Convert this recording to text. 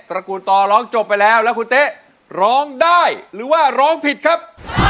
ระกูลต่อร้องจบไปแล้วแล้วคุณเต๊ะร้องได้หรือว่าร้องผิดครับ